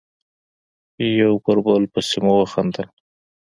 یو پر بل پسې مو خندل.